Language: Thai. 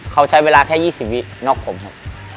เขาใช้เวลาแค่๒๐วินอกผมครับ